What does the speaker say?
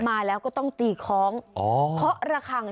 มาแล้วก็ต้องตี่คล้อง